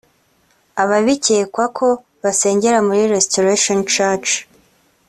Aba bikekwa ko basengeraga muri Restoration Church